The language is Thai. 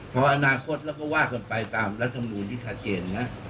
เพราะอนาคตแล้วก็ว่าขึ้นไปตามรัฐมนุษย์นิษฐาเจนนะ